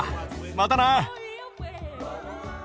またな。